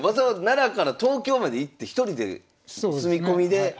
奈良から東京まで行って１人でそうですね。